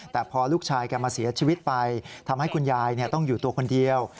แต่พอลูกชายแกมาเสียชีวิตไปทำให้คุณยายต้องอยู่ตัวคนเดียว